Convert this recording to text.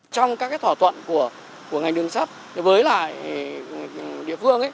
trong các thỏa thuận của ngành đường sắt với lại địa phương